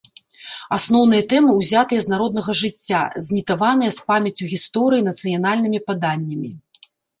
Асноўныя тэмы ўзятыя з народнага жыцця, знітаваныя з памяццю гісторыі, нацыянальнымі паданнямі.